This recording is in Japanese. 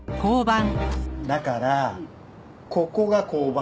だからここが交番。